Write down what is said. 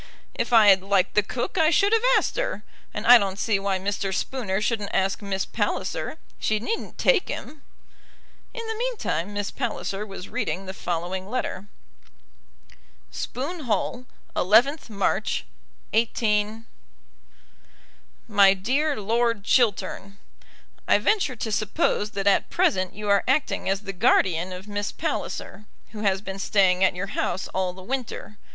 "If I had liked the cook I should have asked her, and I don't see why Mr. Spooner shouldn't ask Miss Palliser. She needn't take him." In the meantime Miss Palliser was reading the following letter: Spoon Hall, 11th March, 18 . MY DEAR LORD CHILTERN, I venture to suppose that at present you are acting as the guardian of Miss Palliser, who has been staying at your house all the winter.